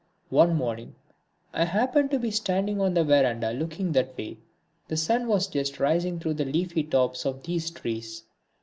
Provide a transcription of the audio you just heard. One morning I happened to be standing on the verandah looking that way. The sun was just rising through the leafy tops of those trees.